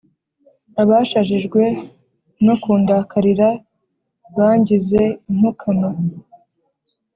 Abashajijwe no kundakarira bangize intukano .